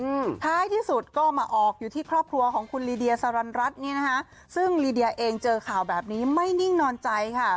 อืมท้ายที่สุดก็มาออกอยู่ที่ครอบครัวของคุณลีเดียสารันรัฐนี่นะคะซึ่งลีเดียเองเจอข่าวแบบนี้ไม่นิ่งนอนใจค่ะ